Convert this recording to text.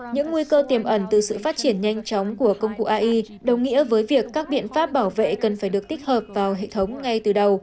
những nguy cơ tiềm ẩn từ sự phát triển nhanh chóng của công cụ ai đồng nghĩa với việc các biện pháp bảo vệ cần phải được tích hợp vào hệ thống ngay từ đầu